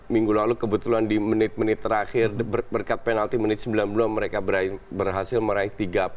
minggu lalu kebetulan di menit menit terakhir berkat penalti menit sembilan puluh mereka berhasil meraih tiga puluh